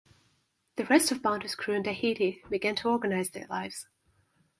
The rest of Bounty’s crew on Tahiti began to organise their lives.